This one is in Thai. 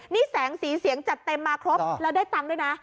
นี่แสงสีเสียงจัดเต็มมาครบแล้วได้ตังค์ด้วยนะ